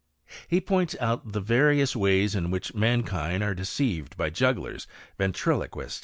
He points out the various ways in which mankind are deceived by jugglers, ventriloquists, &c.